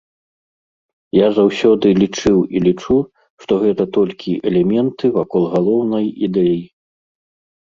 Я заўсёды лічыў і лічу, што гэта толькі элементы вакол галоўнай ідэі.